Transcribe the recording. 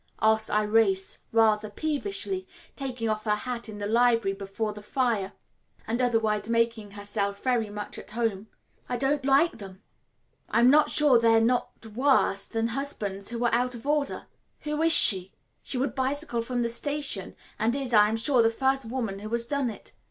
asked Irais rather peevishly, taking off her hat in the library before the fire, and otherwise making herself very much at home; "I don't like them. I'm not sure that they're not worse than husbands who are out of order. Who is she? She would bicycle from the station, and is, I am sure, the first woman who has done it.